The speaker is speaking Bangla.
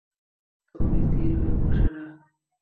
তরুণী স্থির হয়ে বসে না।